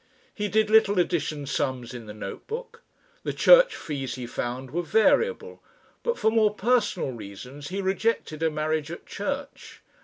He did little addition sums in the note book. The church fees he found were variable, but for more personal reasons he rejected a marriage at church.